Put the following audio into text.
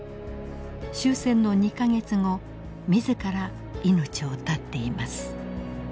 終戦の２か月後自ら命を絶っています。